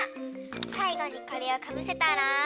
さいごにこれをかぶせたら。